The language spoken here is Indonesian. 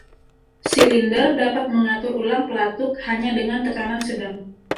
Silinder dapat mengatur ulang pelatuk hanya dengan tekanan sedang.